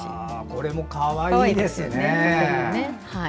これもかわいいですね。